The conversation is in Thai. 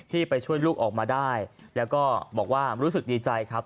ไปช่วยลูกออกมาได้แล้วก็บอกว่ารู้สึกดีใจครับ